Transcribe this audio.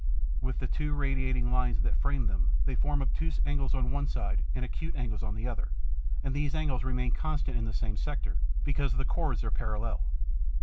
With the two radiating lines that frame them they form obtuse angles on one side and acute angles on the other; and these angles remain constant in the same sector, because the chords are parallel.